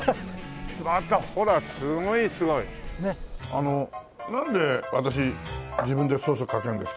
あのなんで私自分でソースかけるんですか？